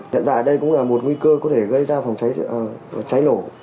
hiện tại đây cũng là một nguy cơ có thể gây ra phòng chạy lổ